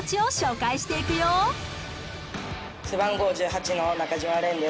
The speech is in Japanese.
背番号１８の中島蓮です。